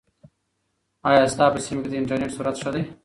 ایا ستا په سیمه کې د انټرنیټ سرعت ښه دی؟